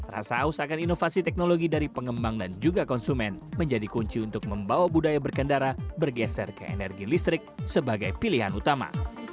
rasa haus akan inovasi teknologi dari pengembang dan juga konsumen menjadi kunci untuk membawa budaya berkendara bergeser ke energi listrik sebagai pilihan utama